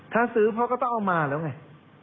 ถ้าซื้อพ่อก็ต้องเอามาแล้วไง